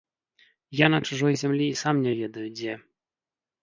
Я на чужой зямлі і сам не ведаю дзе.